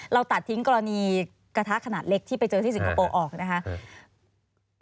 เราตัดทิ้งกรณีกระทะขนาดเล็กที่ไปเจอที่สิงคโปร์ออกนะคะ